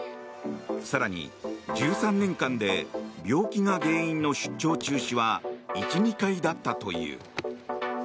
更に、１３年間で病気が原因の出張中止は１２回だったという。